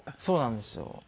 そうなんですよ。